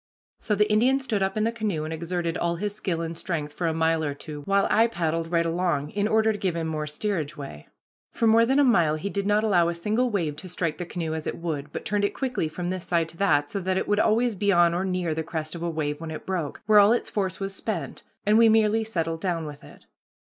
So the Indian stood up in the canoe and exerted all his skill and strength for a mile or two, while I paddled right along in order to give him more steerage way. For more than a mile he did not allow a single wave to strike the canoe as it would, but turned it quickly from this side to that, so that it would always be on or near the crest of a wave when it broke, where all its force was spent, and we merely settled down with it.